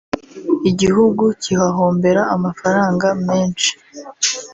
igihugu kihahombera amafaranga menshi